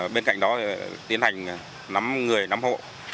bên cạnh đó tiến hành nắm người nắm hộ